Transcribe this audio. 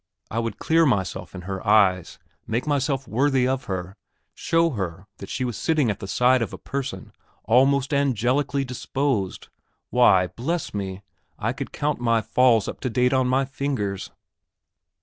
I would clear myself in her eyes, make myself worthy of her, show her that she was sitting at the side of a person almost angelically disposed. Why, bless me, I could count my falls up to date on my fingers.